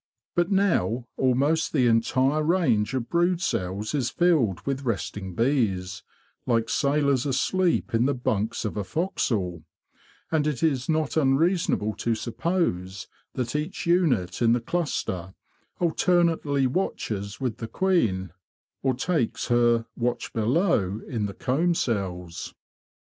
But now almost the entire range of brood cells is, filled with resting bees, like sailors asleep in the bunks of a forecastle; and it is not unreasonable to suppose that each unit in the cluster alternately watches with the queen, or takes her '' watch below "' in the comb cells.